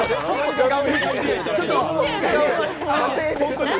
ちょっと違う！